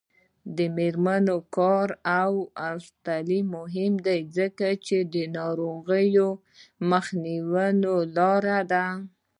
د میرمنو کار او تعلیم مهم دی ځکه چې ناروغیو مخنیوي لاره ده.